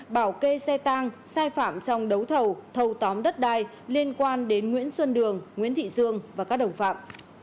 bảo kê xe tang sai phạm trong đấu thầu thâu tóm đất đai liên quan đến nguyễn xuân đường nguyễn thị dương và các đồng phạm